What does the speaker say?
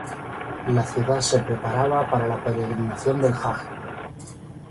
La ciudad se preparaba para la peregrinación del Hajj.